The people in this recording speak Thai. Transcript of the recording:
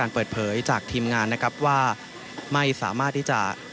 เพราะงานไม่เหมือนแห่งภาพที่แสดง